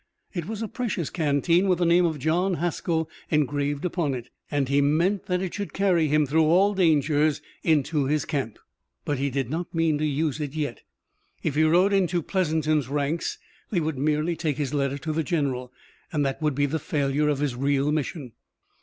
It was a precious canteen with the name of John Haskell engraved upon it, and he meant that it should carry him through all dangers into his camp. But he did not mean to use it yet. If he rode into Pleasanton's ranks they would merely take his letter to the general, and that would be the failure of his real mission.